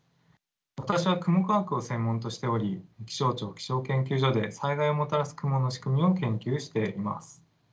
私は雲科学を専門としており気象庁気象研究所で災害をもたらす雲の仕組みを研究しています。